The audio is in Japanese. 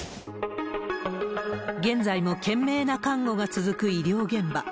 現在も懸命な看護が続く医療現場。